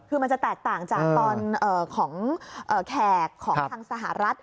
คือมันจะแตกต่างจากตอนของแขกของทางสหรัฐ